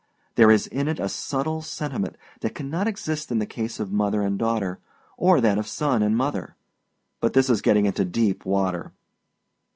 There is in it a subtile sentiment that cannot exist in the case of mother and daughter, or that of son and mother. But this is getting into deep water.